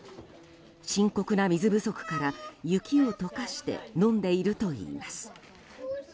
深刻な水不足から、雪を解かして飲んでいるといいます。